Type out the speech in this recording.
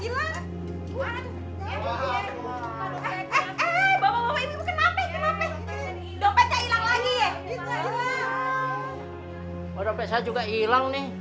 mereka udah paksa juga ilang nih